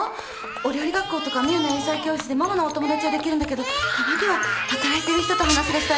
お料理学校とか美雨の英才教室でママのお友達は出来るんだけどたまには働いてる人と話がしたいなって。